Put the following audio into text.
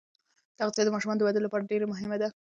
تغذیه د ماشوم د ودې لپاره ډېره مهمه ده.